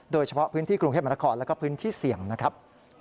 โดยเฉพาะพื้นที่กรุงเทพมนครแล้วก็พื้นที่เสี่ยงนะครับ